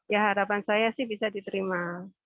ya harapan saya sih bisa diterima